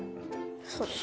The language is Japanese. そうです